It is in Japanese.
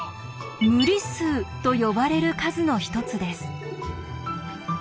「無理数」と呼ばれる数の一つです。